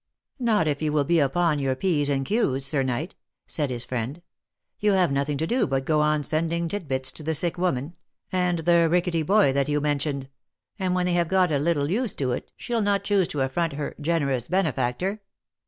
" Not if you will be upon your P's and Q's, Sir knight," said his friend :" you have nothing to do but go on sending tit bits to the sick woman, and the rickety boy that you mentioned, and when they have got a little used to it she'll not choose to affront her generous benefactor.